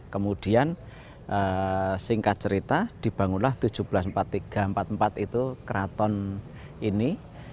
kemudian singkat cerita dibangunlah seribu tujuh ratus empat puluh tiga empat puluh empat itu keraton ini